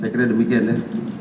saya kira demikian ya